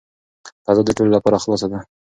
فضا د ټولو لپاره خلاصه ده.